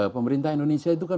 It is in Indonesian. pemerintah indonesia itu kan